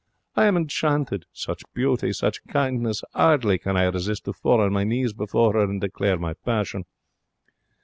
I am enchanted. Such beauty! Such kindness! 'Ardly can I resist to fall on my knees before 'er and declare my passion.